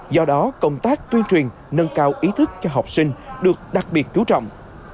do đó công tác tuyên truyền nâng cao ý thức cho học sinh được đặc biệt chú trọng